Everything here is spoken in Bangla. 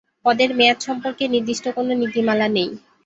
পদের মেয়াদ সম্পর্কে নির্দিষ্ট কোন নীতিমালা নেই।